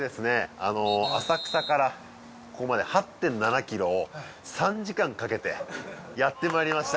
あの浅草からここまで８．７ｋｍを３時間かけてやってまいりました